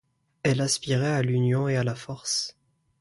Elle aspirait à l’union et à la force.